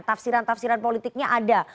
tafsiran tafsiran politiknya ada